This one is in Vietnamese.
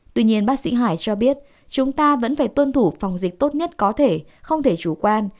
tuy nhiên bác sĩ hải cho biết chúng ta vẫn phải tuân thủ phòng dịch tốt nhất có thể không thể chủ quan